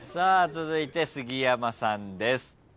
続いて杉山さんです。